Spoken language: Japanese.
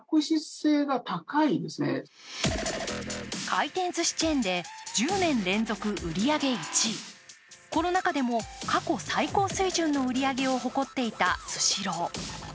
回転ずしチェーンで１０年連続売り上げ１位、コロナ禍でも過去最高水準の売り上げを誇っていたスシロー。